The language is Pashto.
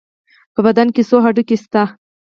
په بدن کې څو هډوکي شته؟